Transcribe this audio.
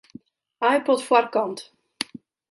iPod foarkant.